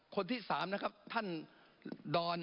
คนที่๓นะครับท่านดอน